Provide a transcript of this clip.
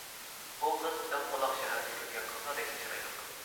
ئۇ قىز دىڭ قۇلاق شەھەردە كۆرگەن قىزلاردەكلا چىرايلىق.